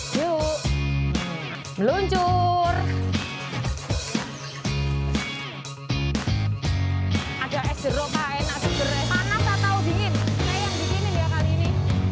hai yuk meluncur ada es jeruk hna segera tanam atau dingin saya yang begini kali ini